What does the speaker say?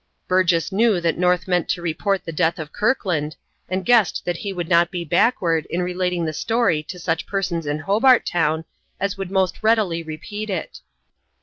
Burgess knew that North meant to report the death of Kirkland, and guessed that he would not be backward in relating the story to such persons in Hobart Town as would most readily repeat it.